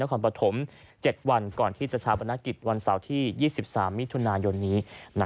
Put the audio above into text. คอนปฐม๗วันก่อนที่จะชาปนกิจวันเสาร์ที่๒๓มิถุนายนนี้